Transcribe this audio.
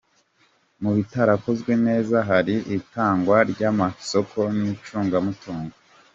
Mu bitarakozwe neza, hari itangwa ry’amasoko n’icungamutungo.